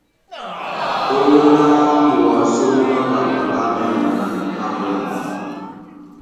Ónyólá muwasó mwá ɓato ɓá myaŋga ɓá ɓwâm.